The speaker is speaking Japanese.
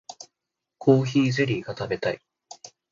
コーヒーゼリーが食べたい